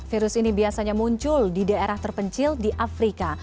virus ini biasanya muncul di daerah terpencil di afrika